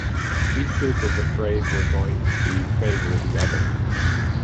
Each group is afraid we're going to favor the other.